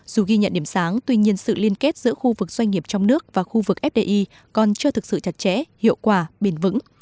dù ghi nhận điểm sáng tuy nhiên sự liên kết giữa khu vực doanh nghiệp trong nước và khu vực fdi còn chưa thực sự chặt chẽ hiệu quả bền vững